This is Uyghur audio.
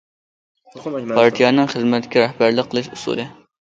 پارتىيەنىڭ خىزمەتكە رەھبەرلىك قىلىش ئۇسۇلى.